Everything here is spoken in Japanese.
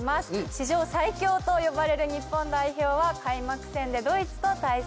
史上最強と呼ばれる日本代表は開幕戦でドイツと対戦。